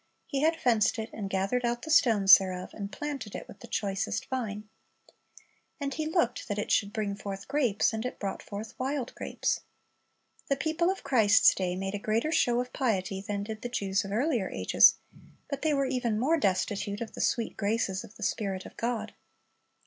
He had "fenced it, and gathered out the stones thereof, and planted it with the choicest vine."* Msa. 5:7 ^Isa. 61:3 ■''0611.49:22,25 <Isa. 5:1,2 ''Sparc It This Year Also'' 215 "And He looked that it should bring forth grapes, and it brought forth wild grapes."^ The people of Christ's day made a greater show of piety than did the Jews of earlier ages, but they were even more destitute of the sweet graces of the Spirit of God.